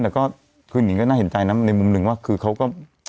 แต่ก็คือนิงก็น่าเห็นใจนะในมุมหนึ่งว่าคือเขาก็